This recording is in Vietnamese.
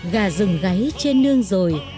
gà rừng gáy trên nương rồi